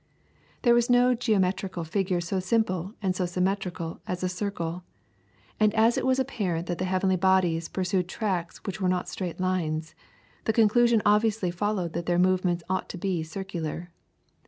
There was no geometrical figure so simple and so symmetrical as a circle, and as it was apparent that the heavenly bodies pursued tracks which were not straight lines, the conclusion obviously followed that their movements ought to be circular.